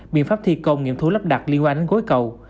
biện pháp thi công nghiệm thu lắp đặt liên quan đến gối cầu